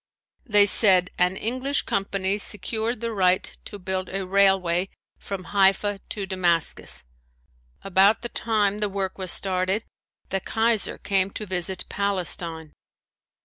They said an English company secured the right to build a railway from Haifa to Damascus. About the time the work was started the Kaiser came to visit Palestine.